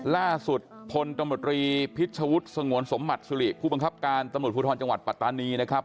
ล่าสุดพลตำรวจรีพิชวุฒิสงวนสมบัติสุริผู้บังคับการตำรวจภูทรจังหวัดปัตตานีนะครับ